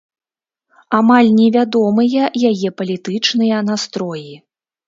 Амаль невядомыя яе палітычныя настроі.